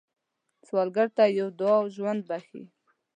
سوالګر ته یوه دعا ژوند بښي